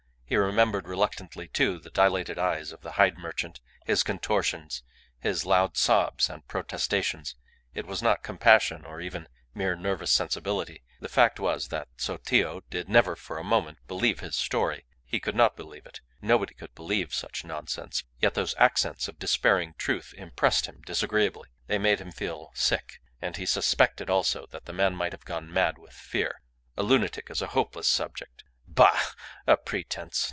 He remembered reluctantly, too, the dilated eyes of the hide merchant, his contortions, his loud sobs and protestations. It was not compassion or even mere nervous sensibility. The fact was that though Sotillo did never for a moment believe his story he could not believe it; nobody could believe such nonsense yet those accents of despairing truth impressed him disagreeably. They made him feel sick. And he suspected also that the man might have gone mad with fear. A lunatic is a hopeless subject. Bah! A pretence.